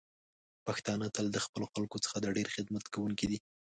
پښتانه تل د خپلو خلکو څخه د ډیر خدمت کوونکی دی.